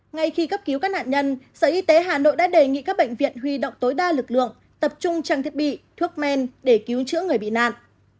ngay khi cấp cứu các nạn nhân sở y tế hà nội đã đề nghị các bệnh viện huy động tối đa lực lượng tập trung trang thiết bị thuốc men để cứu chữa người bị nạn